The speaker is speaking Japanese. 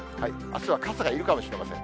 あすは傘がいるかもしれません。